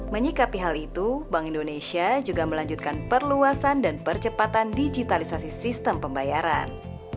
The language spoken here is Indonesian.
menyikapi hal itu bank indonesia juga melanjutkan perluasan dan percepatan digitalisasi sistem pembayaran